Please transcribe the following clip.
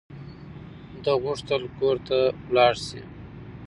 ده غوښتل کور ته ولاړ شي.